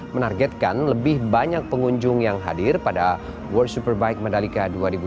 menargetkan lebih banyak pengunjung yang hadir pada world superbike mandalika dua ribu dua puluh